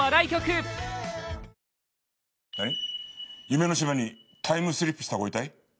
夢の島にタイムスリップしたご遺体？